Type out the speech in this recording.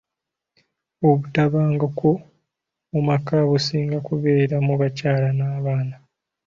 Obutabanguko mu maka businga kubeera mu bakyala n'abaana.